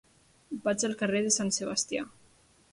Vaig al carrer de Sant Sebastià.